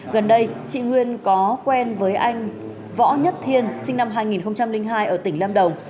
gần đây chị nguyên có quen với anh võ nhất thiên sinh năm hai nghìn hai ở tỉnh lâm đồng